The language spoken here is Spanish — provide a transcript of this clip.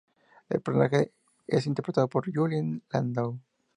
El personaje es interpretado por Juliet Landau.